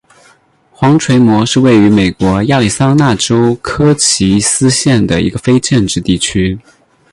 黄锤磨是位于美国亚利桑那州科奇斯县的一个非建制地区。